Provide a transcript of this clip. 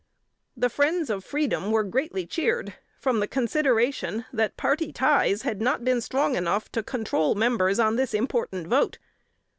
The friends of freedom were greatly cheered, from the consideration, that party ties had not been strong enough to control members on this important vote.